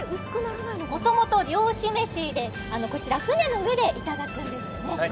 もともと漁師めしで、こちら船の上でいただくんですよね。